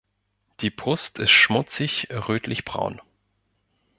Die Brust ist schmutzig rötlichbraun.